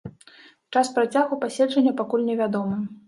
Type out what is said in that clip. Час працягу паседжання пакуль невядомы.